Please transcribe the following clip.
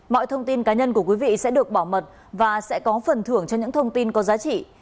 mọi thông tin cá nhân của quý vị sẽ được bảo mật và sẽ có phần thưởng cho những thông tin có giá trị